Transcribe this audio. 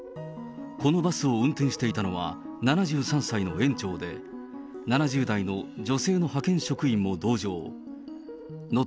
このバスを運転していたのは、７３歳の園長で、７０代の女性の派遣職員も同乗。